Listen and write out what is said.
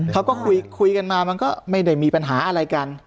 เขาก็คุยกันมามันก็ไม่ได้มีปัญหาอะไรกัน